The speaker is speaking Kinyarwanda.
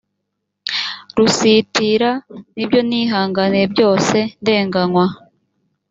lusitira n ibyo nihanganiye byose ndenganywa